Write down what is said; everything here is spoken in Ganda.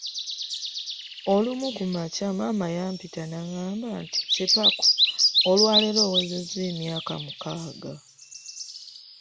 Olumu ku makya maama yampita n'angamba nti, Kipaku, olwaleero owezezza emyaka mukaaga.